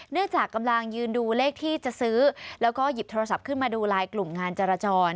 จากกำลังยืนดูเลขที่จะซื้อแล้วก็หยิบโทรศัพท์ขึ้นมาดูลายกลุ่มงานจราจร